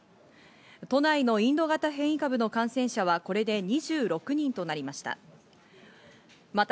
都内のインド型変異株の感染者はこれで２６人となりました。